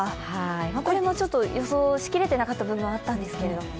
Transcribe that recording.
これも予想しきれてなかった部分があったんですけどね。